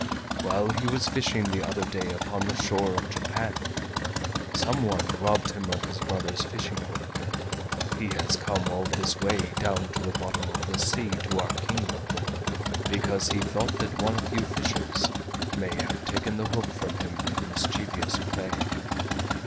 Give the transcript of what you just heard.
While he was fishing the other day upon the shore of Japan, some one robbed him of his brother's fishing hook. He has come all this way down to the bottom of the sea to our Kingdom because he thought that one of you fishes may have taken the hook from him in mischievous play.